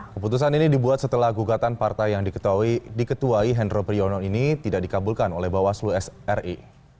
keputusan ini dibuat setelah gugatan partai yang diketuai hendro priyono ini tidak dikabulkan oleh bawaslu sri